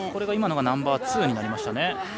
今のがナンバーツーになりましたね。